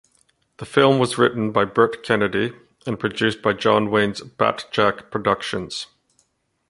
The film was written by Burt Kennedy and produced by John Wayne's Batjac Productions.